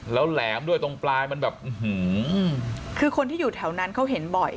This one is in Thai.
แล้วแหลมด้วยตรงปลายมันแบบอื้อหือคือคนที่อยู่แถวนั้นเขาเห็นบ่อย